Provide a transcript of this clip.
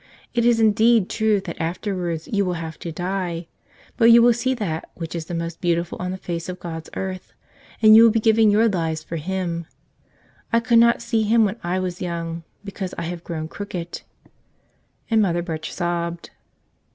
It is indeed true that afterwards you will have to die, but you will see that which is the most beautiful on the face of God's earth, and you will be giving your lives for Him. I could not see Him when I was young, because I have grown crooked." And Mother Birch sobbed.